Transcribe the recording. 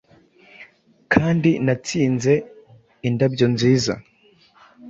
Kandi natsinze indabyo nziza.